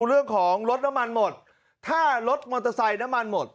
เรื่องของรถน้ำมันหมดถ้ารถมอเตอร์ไซค์น้ำมันหมด